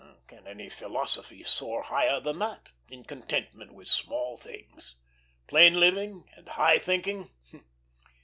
Can any philosophy soar higher than that, in contentment with small things? Plain living and high thinking!